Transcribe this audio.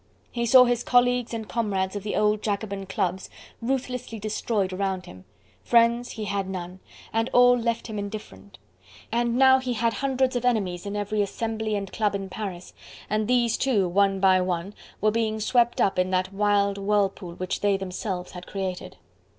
He saw his colleagues and comrades of the old Jacobin Clubs ruthlessly destroyed around him: friends he had none, and all left him indifferent; and now he had hundreds of enemies in every assembly and club in Paris, and these too one by one were being swept up in that wild whirlpool which they themselves had created.